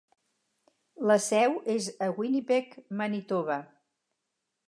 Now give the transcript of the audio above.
La seu és a Winnipeg Manitoba.